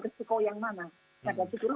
risiko yang mana dan tentu